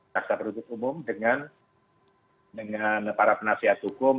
rasa penutup umum dengan para penasihat hukum